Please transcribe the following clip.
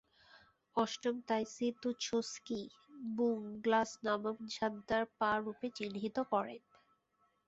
অষ্টম তা'ই-সি-তু ছোস-ক্যি-'ব্যুং-গ্নাস নবম ঝ্বা-দ্মার-পা রূপে চিহ্নিত করেন।